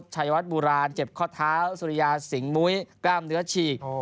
ชัยวัดโบราณเจ็บข้อเท้าสุริยาสิงหมุ้ยกล้ามเนื้อฉีก